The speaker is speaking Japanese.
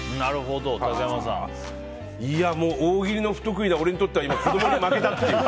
いや、大喜利の不得意な俺にとっては今子供に負けたっていう。